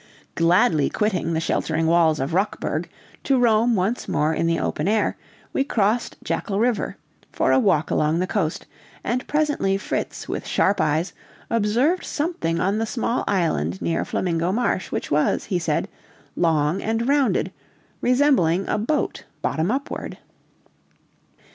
Gladly quitting the sheltering walls of Rockburg to roam once more in the open air, we crossed Jackal River, for a walk along the coast, and presently Fritz with sharp eyes observed something on the small island near Flamingo Marsh, which was, he said, long and rounded, resembling a boat bottom upward.